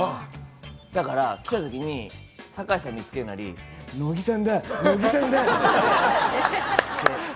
だから来たときに堺さん見つけるなり、乃木さんだ、乃木さんだって。